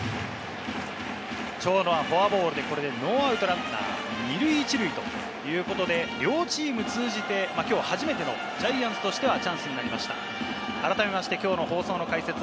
長野はフォアボールで、これでノーアウトランナー２塁１塁ということで、両チーム通じて、きょう初めてのジャイアンツとしては、チャンスになりました。